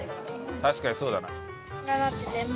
確かにそうだな。